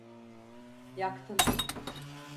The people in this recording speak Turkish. Yaktım.